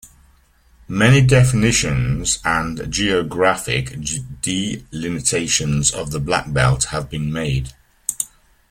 Many definitions and geographic delineations of the Black Belt have been made.